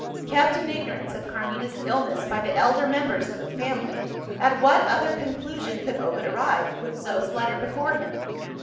Kept in ignorance of Carmina's illness by the elder members of the family, at what other conclusion could Ovid arrive, with Zo's letter before him?